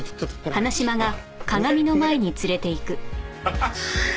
ハハハッ。